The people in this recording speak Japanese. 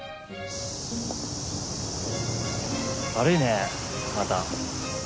悪いねまた。